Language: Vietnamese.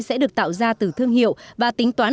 sẽ được tạo ra từ thương hiệu và tính toán